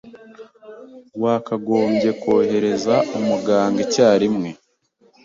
Wakagombye kohereza umuganga icyarimwe.